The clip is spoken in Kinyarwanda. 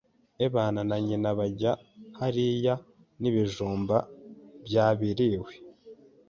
abana na nyina bajya hariya n'ibijumba byabiriwe.